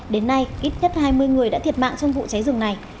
đến nay ít nhất hai mươi người đã thiệt mạng trong vụ cháy rừng này